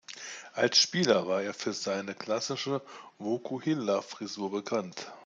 Als Spieler war er für seine klassische Vokuhila-Frisur bekannt.